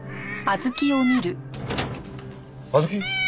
あずき！？